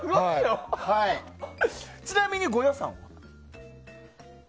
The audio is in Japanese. ちなみにご予算は？